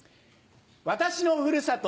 私のふるさと